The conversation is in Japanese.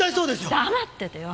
黙っててよ！